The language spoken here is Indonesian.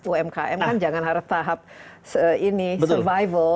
umkm kan jangan harap tahap ini survival